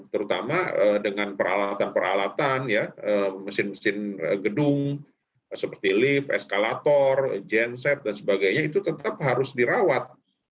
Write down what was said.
terutama dengan peralatan peralatan mesin mesin gedung seperti lift eskalator genset dan sebagainya itu tetap harus dirawat